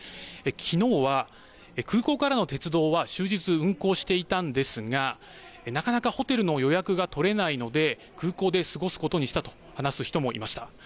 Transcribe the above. きのうは空港からの鉄道は終日、運行していたんですがなかなかホテルの予約が取れないので空港で過ごすことにしたと話す人もいました。